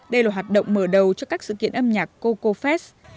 đây là hoạt động mở đầu cho các sự kiện âm nhạc cocofest